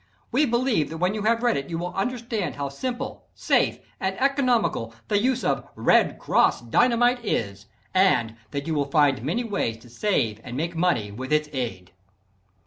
We believe that when you have read it you will understand how simple, safe and economical the use of "Red Cross" Dynamite is, and that you will find many ways to save and make money with its aid.